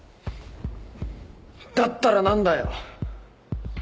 だったら何だよ。